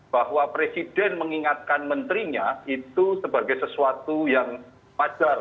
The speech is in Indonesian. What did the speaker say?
bahwa presiden mengingatkan menterinya itu sebagai sesuatu yang wajar